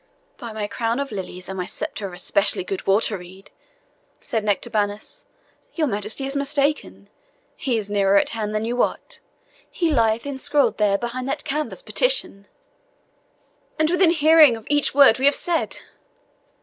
"By my crown of lilies, and my sceptre of a specially good water reed," said Nectabanus, "your Majesty is mistaken, He is nearer at hand than you wot he lieth ensconced there behind that canvas partition." "And within hearing of each word we have said!"